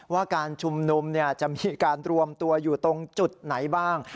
ว่าการชุมนุมจะมีการรวมตัวอยู่ตรงจุดไหนบ้าง